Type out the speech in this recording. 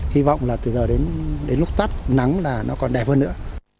hy vọng là từ giờ đến lúc tắt nắng là nó còn đẹp hơn nữa